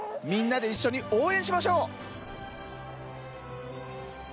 みんなで一緒に応援しましょう。